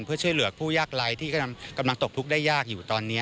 เพื่อช่วยเหลือผู้ยากไร้ที่กำลังตกทุกข์ได้ยากอยู่ตอนนี้